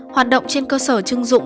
hoạt động trên cơ sở chứng dụng